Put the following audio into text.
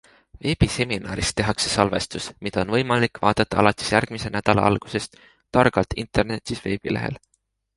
Veebiseminarist tehakse salvestus, mida on võimalik vaadata alates järgmise nädala algusest Targalt internetis veebilehel.